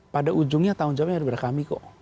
pada ujungnya tahun jawa yang ada di berakami kok